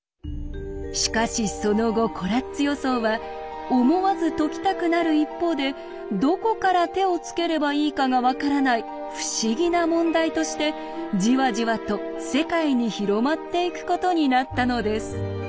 しかしその後コラッツ予想は思わず解きたくなる一方でどこから手をつければいいかが分からない不思議な問題としてじわじわと世界に広まっていくことになったのです。